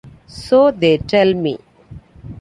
So they tell me.